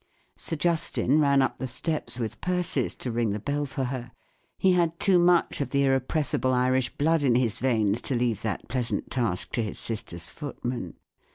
Sir Justin ran up the steps with Persis to ring the bell for her ; he had too much of the irrepressible Irish blood in his veins to leave that pleasant task to his sister's footman.